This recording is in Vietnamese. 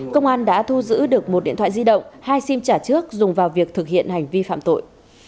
công an đã thu giữ được một điện thoại di động hai sim trả trước dùng vào việc thực hiện hành vi phạm tội